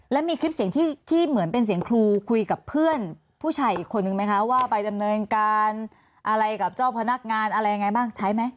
แล้วมีคลิปเสียงที่เหมือนเป็นเสียงครูคุยกับเพื่อนผู้ชายอีกคนนึงไหมคะว่าไปดำเนินการอะไรกับเจ้าพนักงานอะไรยังไงบ้างใช้ไหม